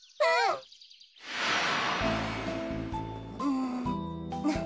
うん。